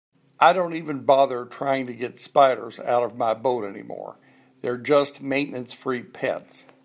I don't even bother trying to get spiders out of my boat anymore, they're just maintenance-free pets.